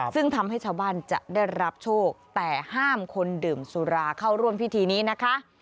ซึ่งทำให้ชาวบ้านจะได้รับโชคแต่ห้ามคนดื่มสุราเข้าร่วมพิธีนี้นะคะ